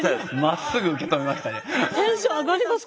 テンション上がります